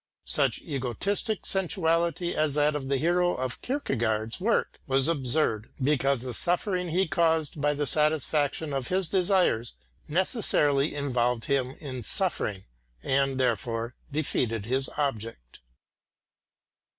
Such egotistic sensuality as that of the hero of Kierkegaard's work was absurd because the suffering he caused by the satisfaction of his desires necessarily involved him in suffering and, therefore, defeated his object.